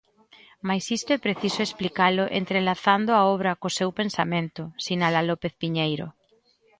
Mais isto é preciso explicalo entrelazando a obra co seu pensamento, sinala López Piñeiro.